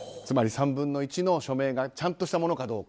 つまり３分の１の署名がちゃんとしたものか。